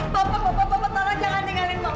bapak bapak bapak bapak jangan tinggalin bapak